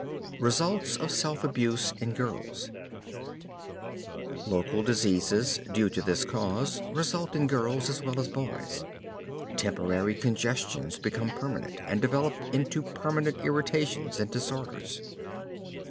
RESULTS OF SELF ABUSE IN GIRLS Local diseases, due to this cause, result in girls as well as boys. Temporary congestions become permanent, and develop into permanent irritations and disorders.